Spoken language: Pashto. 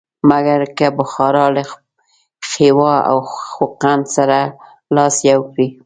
مګر که بخارا له خیوا او خوقند سره لاس یو کړي.